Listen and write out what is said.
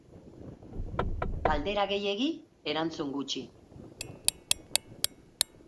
Galdera gehiegi, erantzun gutxi.